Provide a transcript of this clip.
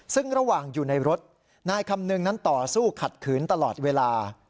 ซึ่งระหว่างอยู่ในรถนายคำนึงนั้นต่อสู้ขัดขืนตลอดเวลา